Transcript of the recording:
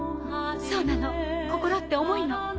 そうなの心って重いの。